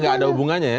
gak ada hubungannya ya